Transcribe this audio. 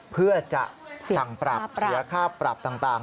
เพื่อจะสั่งปรับเสียค่าปรับต่าง